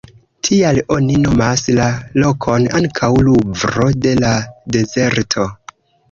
Tial oni nomas la lokon ankaŭ ""Luvro de la dezerto"".